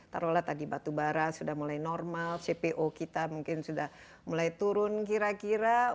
taruhlah tadi batu bara sudah mulai normal cpo kita mungkin sudah mulai turun kira kira